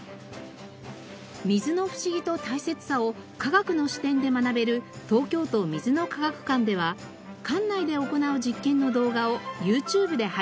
水の不思議と大切さを科学の視点で学べる東京都水の科学館では館内で行う実験の動画をＹｏｕＴｕｂｅで配信しています。